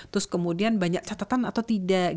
terus kemudian banyak catatan atau tidak